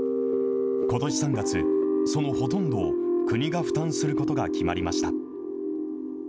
ことし３月、そのほとんどを、国が負担することが決まりました。